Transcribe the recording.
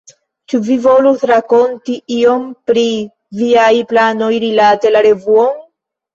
Ĉu vi volus rakonti iom pri viaj planoj rilate la revuon?